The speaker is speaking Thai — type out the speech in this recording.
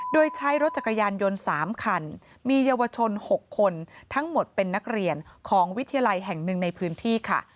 โดยใช้รถจักรยานยนต์๓คันมีเยาวชน๖คนทั้งหมดเป็นนักเรียนของวิทยาลัยแห่งหนึ่งในพื้นที่ค่ะ